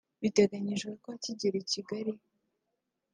Biteganyijwe ko akigera I Kigali